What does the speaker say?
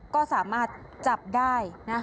ก็สามารถจับได้นะ